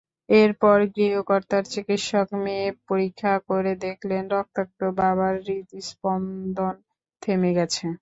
এরপর গৃহকর্তার চিকিৎসক মেয়ে পরীক্ষা করে দেখলেন, রক্তাক্ত বাবার হৃৎস্পন্দন থেমে গেছে।